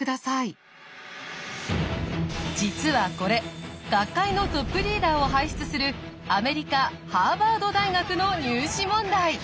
こちらは実はこれ各界のトップリーダーを輩出するアメリカ・ハーバード大学の入試問題。